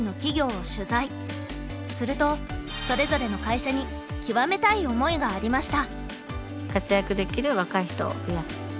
するとそれぞれの会社に「極めたい思い」がありました。